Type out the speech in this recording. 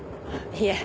いえ。